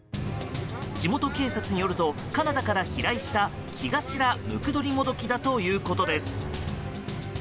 地元警察によるとカナダから飛来したキガシラムクドリモドキだということです。